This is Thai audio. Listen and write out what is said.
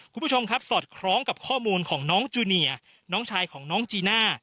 คุณผู้ชมครับสอดคล้องกับข้อมูลของน้องจูเนียน้องชายของน้องจีน่า